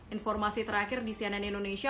informasi terakhir di cnn indonesia